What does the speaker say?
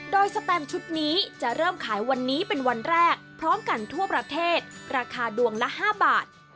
โดยสแตมชุดนี้จะเริ่มขายวันนี้เป็นวันแรกพร้อมกันทั่วประเทศราคาดวงละ๕บาท